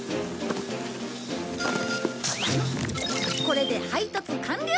これで配達完了！